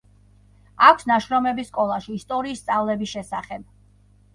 აქვს ნაშრომები სკოლაში ისტორიის სწავლების შესახებ.